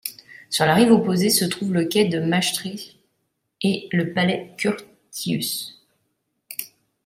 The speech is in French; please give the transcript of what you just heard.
Sur la rive opposée, se trouve le quai de Maestricht et le palais Curtius.